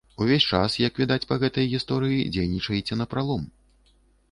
Увесь час, як відаць па гэтай гісторыі, дзейнічаеце напралом.